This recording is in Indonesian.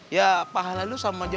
ya pahala lu sama dia